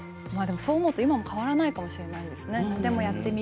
そう思うと今でも変わらないかもしれないですね。